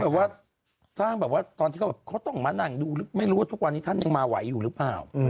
ว่าสร้างแบบว่าตอนที่เขาแบบเขาต้องมานั่งดูไม่รู้ว่าทุกวันนี้ท่านยังมาไหวอยู่หรือเปล่า